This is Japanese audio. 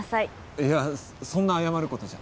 いやそんな謝ることじゃ。